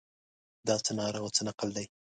دا څه ناره او څه نقل دی.